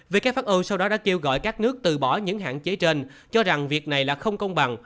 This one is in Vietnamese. who sau đó đã kêu gọi các nước từ bỏ những hạn chế trên cho rằng việc này là không công bằng